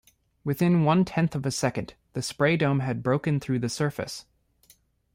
Within one-tenth of a second, the spray dome had broken through the surface.